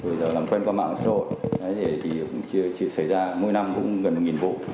bởi giờ làm quen qua mạng xã hội thì xảy ra mỗi năm cũng gần một vụ